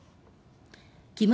木村